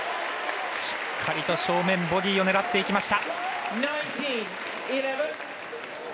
しっかりと正面ボディーを狙っていきました。